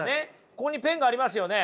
ここにペンがありますよね。